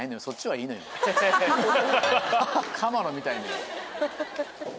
そっちはいいのよ。